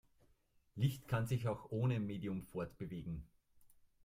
Licht kann sich auch ohne Medium fortbewegen.